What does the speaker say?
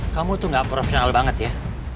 kamu tuh gak profesional banget ya